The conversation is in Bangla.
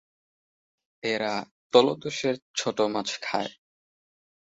এরা তলদেশের ছোট মাছ খায়।